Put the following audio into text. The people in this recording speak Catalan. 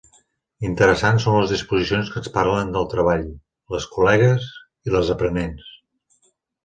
Interessants són les disposicions que ens parlen del treball, les col·legues i les aprenentes.